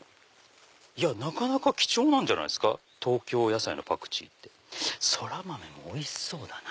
なかなか貴重なんじゃないですか東京野菜のパクチーって。ソラマメもおいしそうだな。